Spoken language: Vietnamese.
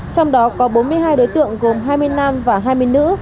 trong đó có bốn mươi hai đối tượng gồm hai mươi nam và hai mươi nữ